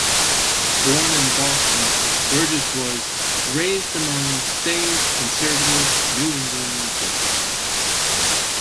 Born in Boston, Burgess was "raised among staid, conservative New England gentry".